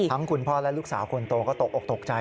คุณพ่อและลูกสาวคนโตก็ตกออกตกใจ